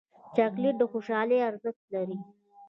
چاکلېټ د خوشحالۍ ارزښت لري